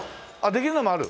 できるのもある。